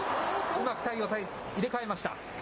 うまく体を入れ替えました。